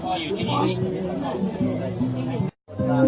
สวัสดีครับทุกคน